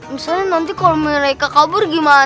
misalnya nanti kalau mereka kabur gimana